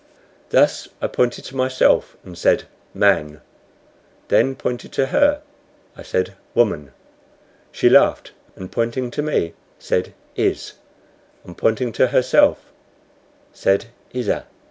Thus I pointed to myself, and said "Man," then pointing to her, I said, "Woman." She laughed, and pointing to me said "Iz," and pointing to herself said, "Izza."